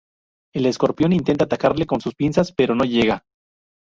El escorpión intenta atacarle con sus pinzas, pero no llega.